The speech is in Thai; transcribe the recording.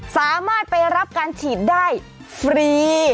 สามารถไปรับการฉีดได้ฟรี